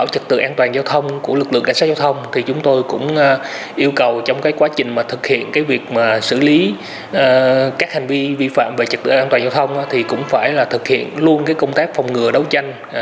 thì cũng phải là thực hiện luôn công tác phòng ngừa đấu tranh các loại tù phạm khác nếu có phát sinh